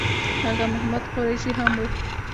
آغا محمد قریشي هم و.